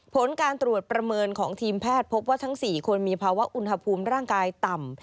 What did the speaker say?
ผลการตรวจประเมินของทีมแพทย์พบว่าทั้ง๔คนมีภาวะอุณหภูมิร่างกายต่ำ